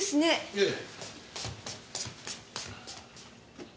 ええ。